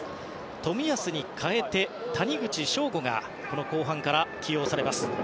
冨安に代えて谷口彰悟が後半から起用されます。